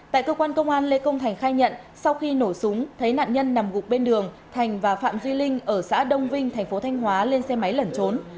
tại cơ quan công an lê công thành khai nhận sau khi nổ súng thấy nạn nhân nằm gục bên đường thành và phạm duy linh ở xã đông vinh thành phố thanh hóa lên xe máy lẩn trốn